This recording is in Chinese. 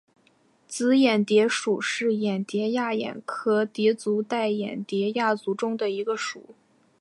紫眼蝶属是眼蝶亚科眼蝶族黛眼蝶亚族中的一个属。